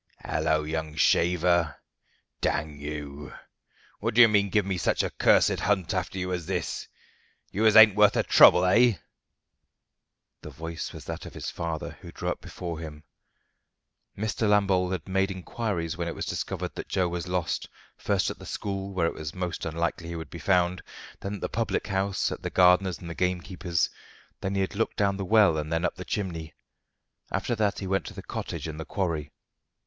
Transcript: "Halloa, young shaver! Dang you! What do you mean giving me such a cursed hunt after you as this you as ain't worth the trouble, eh?" The voice was that of his father, who drew up before him. Mr. Lambole had made inquiries when it was discovered that Joe was lost, first at the school, where it was most unlikely he would be found, then at the public house, at the gardener's and the gamekeeper's; then he had looked down the well and then up the chimney. After that he went to the cottage in the quarry.